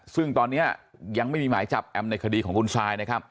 ซึ่งตอนนี้ยังไม่มีหมายจับแอมในคดีของคุณซายนะครับ